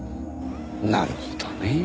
なるほどね。